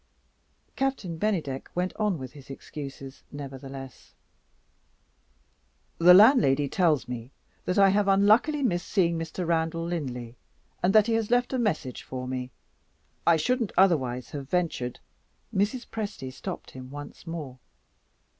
Captain Bennydeck went on with his excuses, nevertheless. "The landlady tells me that I have unluckily missed seeing Mr. Randal Linley, and that he has left a message for me. I shouldn't otherwise have ventured " Mrs. Presty stopped him once more.